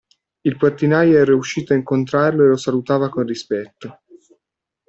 Il portinaio era uscito a incontrarlo e lo salutava con rispetto.